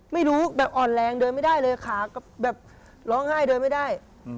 ไม่รู้แบบอ่อนแรงเดินไม่ได้เลยขาก็แบบร้องไห้เดินไม่ได้